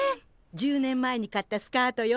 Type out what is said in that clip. １０年前に買ったスカートよ。